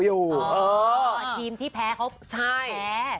โอ้โหทีมที่แพ้เขาแพ้